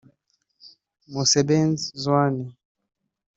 Mosebenzi Zwane